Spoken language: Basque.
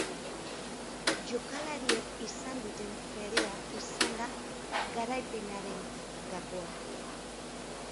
Jokalariek izan duten fedea izan da garaipenaren gakoa.